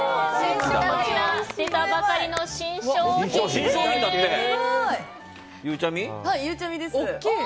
出たばかりの新商品です。